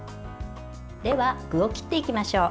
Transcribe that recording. では、具を切っていきましょう。